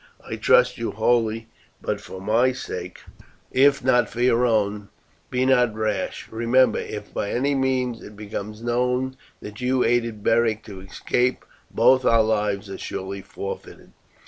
I trust you wholly, but for my sake, if not for your own, be not rash. Remember, if by any means it becomes known that you aided Beric to escape, both our lives are surely forfeited."